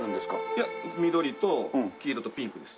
いや緑と黄色とピンクです。